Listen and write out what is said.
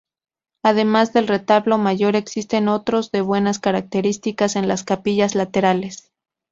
Además del retablo mayor existen otros de buenas características en las capillas laterales.